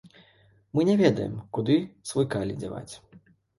Мы не ведаем, куды свой калій дзяваць.